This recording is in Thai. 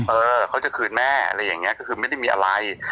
เออเขาจะคืนแม่อะไรอย่างนี้ก็คือไม่ได้มีอะไร